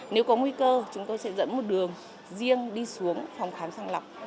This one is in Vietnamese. nếu có nguy cơ chúng tôi sẽ dẫn một đường riêng đi xuống phòng khám sàng lọc